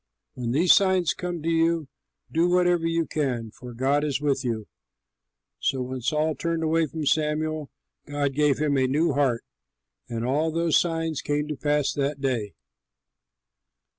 When these signs come to you, do whatever you can, for God is with you." So when Saul turned away from Samuel, God gave him a new heart, and all those signs came to pass that day.